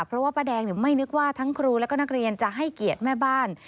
เพราะว่าป้าแดงไม่นึกว่าทั้งครูและก็นักเรียนจะให้เกียรติแม่บ้าน